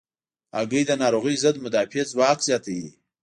هګۍ د ناروغیو ضد مدافع ځواک زیاتوي.